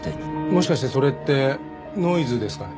もしかしてそれってノイズですかね？